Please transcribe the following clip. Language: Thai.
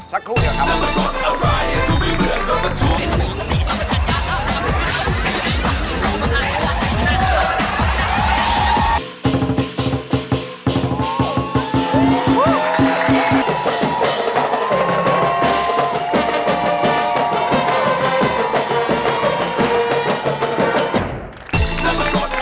สักครู่เดียวครับ